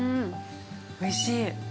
おいしい。